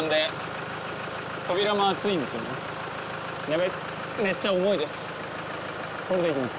めっちゃ重いです